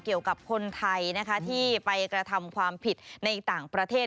เกี่ยวกับคนไทยนะคะที่ไปกระทำความผิดในต่างประเทศ